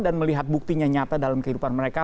dan melihat buktinya nyata dalam kehidupan mereka